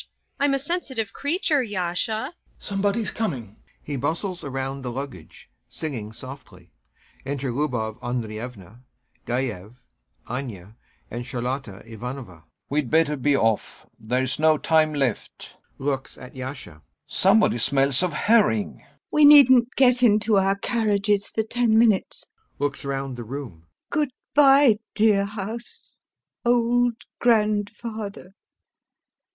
I'm a sensitive creature, Yasha. YASHA. Somebody's coming. [He bustles around the luggage, singing softly. Enter LUBOV ANDREYEVNA, GAEV, ANYA, and CHARLOTTA IVANOVNA.] GAEV. We'd better be off. There's no time left. [Looks at YASHA] Somebody smells of herring! LUBOV. We needn't get into our carriages for ten minutes.... [Looks round the room] Good bye, dear house, old grandfather.